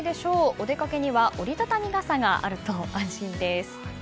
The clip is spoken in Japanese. お出かけには折り畳み傘があると安心です。